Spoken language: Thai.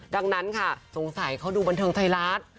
ดังนั้นค่ะสงสัยเขาดูบันเทิงไทยรัฐ